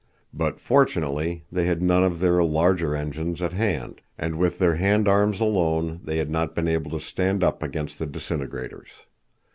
But fortunately they had none of their larger engines at hand, and with their hand arms alone they had not been able to stand up against the disintegrators.